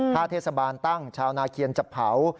ถ้าเทศบาลตั้งชาวนาเคียนจะเผา